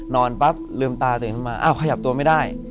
ปั๊บลืมตาตื่นขึ้นมาอ้าวขยับตัวไม่ได้